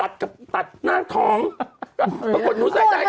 เจ้าของ้าดูใส่ได้เค้าก็